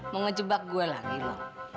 mau ngejebak gue lagi loh